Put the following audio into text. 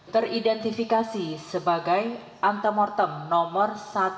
teridentifikasi sebagai antemortem nomor satu ratus lima puluh lima